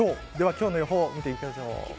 今日の予報を見ていきましょう。